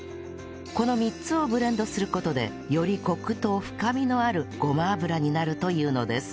この３つをブレンドする事でよりコクと深みのあるごま油になるというのです